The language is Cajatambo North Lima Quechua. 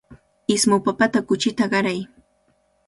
Ismu papata kuchita qaray.